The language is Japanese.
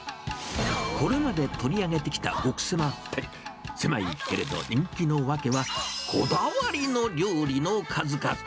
これまで取り上げてきた極セマ店、狭いけれども人気の訳は、こだわりの料理の数々。